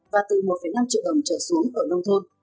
và từ một năm triệu đồng trở xuống ở nông thôn